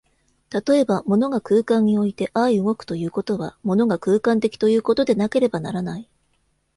例えば、物が空間において相働くということは、物が空間的ということでなければならない。